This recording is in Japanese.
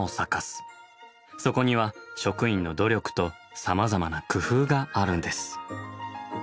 そこには職員の努力とさまざまな工夫があるんです。